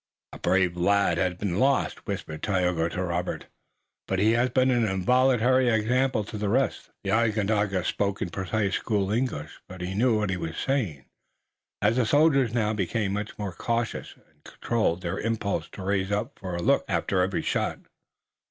"A brave lad has been lost," whispered Tayoga to Robert, "but he has been an involuntary example to the rest." The Onondaga spoke in his precise school English, but he knew what he was saying, as the soldiers now became much more cautious, and controlled their impulse to raise up for a look, after every shot.